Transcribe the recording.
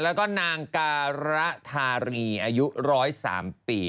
แล้วก็นางการธารีอายุ๑๐๓ปี